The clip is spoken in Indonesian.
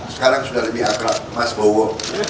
sekarang sudah lebih akrab mas bowo